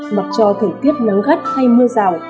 mặc cho thời tiết nắng gắt hay mưa rào